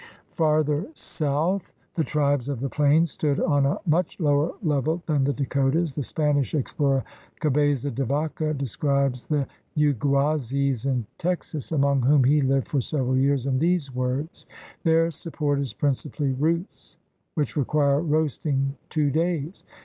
Farther south the tribes of the plains stood on a much lower level than the Dakotas. The Spanish explorer, Cabeza de Vaca, describes the Yguases in Texas, among whom he lived for several years, in these words: "Their support is principally roots which require roasting two days.